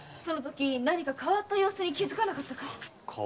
何か変わった様子に気づかなかった？